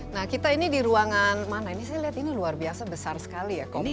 nah kita ini di ruangan mana ini saya lihat ini luar biasa besar sekali ya